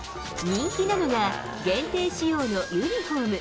人気なのが限定仕様のユニホーム。